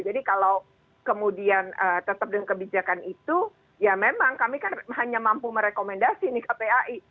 jadi kalau kemudian tetap dengan kebijakan itu ya memang kami kan hanya mampu merekomendasi di kphi